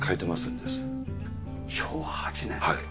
はい。